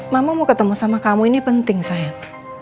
mama mau ketemu sama kamu ini penting saya